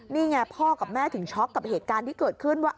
นี่ไงพ่อกับแม่ถึงช็อกกับเหตุการณ์ที่เกิดขึ้นว่า